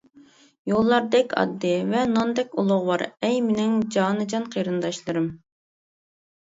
يوللاردەك ئاددىي ۋە ناندەك ئۇلۇغۋار، ئەي، مىنىڭ جانىجان قېرىنداشلىرىم.